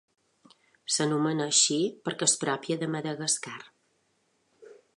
S'anomena així perquè és pròpia de Madagascar.